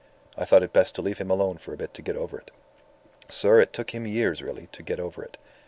I thought it best to leave him alone for a bit to get over it. Sir, it took him years really, to get over it.